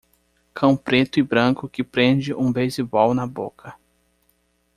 Cão preto e branco que prende um basebol na boca.